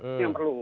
ini yang perlu